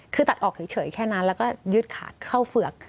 คือตัดออกเฉยแค่นั้นแล้วก็ยึดขาดเข้าเฝือก